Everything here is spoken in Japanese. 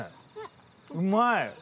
うまい。